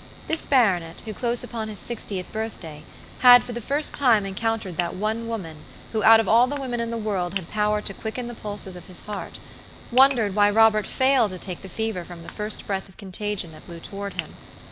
This baronet, who close upon his sixtieth birthday, had for the first time encountered that one woman who out of all the women in the world had power to quicken the pulses of his heart, wondered why Robert failed to take the fever from the first breath of contagion that blew toward him.